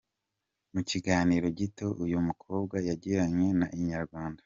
Mu kiganiro gito uyu mukobwa yagiranye na Inyarwanda.